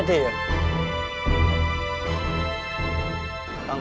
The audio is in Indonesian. itu kayak binatang ya